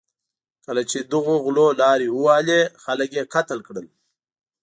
کله چې دغو غلو لارې ووهلې، خلک یې قتل کړل.